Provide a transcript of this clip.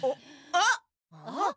あっ？